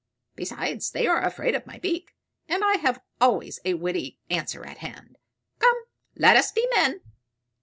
Besides, they are afraid of my beak; and I have always a witty answer at hand. Come, let us be men!"